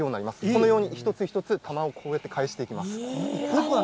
このように、一つ一つ玉をこうやって返していきます。